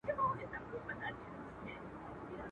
د نورو که تلوار دئ، ما تې په لمن کي راکه.